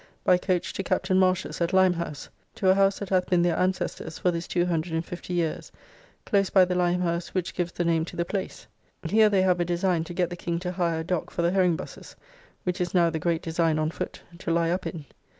by coach to Captain Marshe's, at Limehouse, to a house that hath been their ancestors for this 250 years, close by the lime house which gives the name to the place. Here they have a design to get the King to hire a dock for the herring busses, which is now the great design on foot, to lie up in.